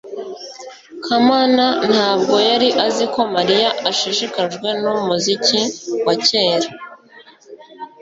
kamana ntabwo yari azi ko mariya ashishikajwe numuziki wa kera